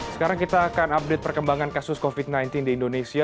sekarang kita akan update perkembangan kasus covid sembilan belas di indonesia